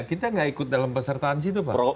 kita nggak ikut dalam pesertaan situ pak